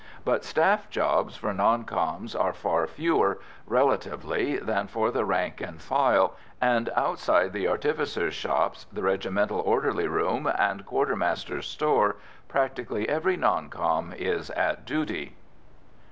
But staff jobs for non coms. are far fewer, relatively, than for the rank and file, and, outside the artificers' shops, the regimental orderly room and quartermaster's store, practically every non com. is at duty.